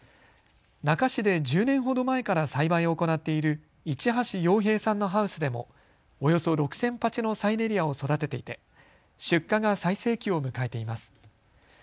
那珂市で１０年ほど前から栽培を行っている市橋陽平さんのハウスでもおよそ６０００鉢のサイネリアを育てていて出荷が最盛期を迎えています。